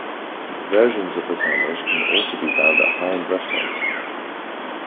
Versions of the sandwich can also be found at high-end restaurants.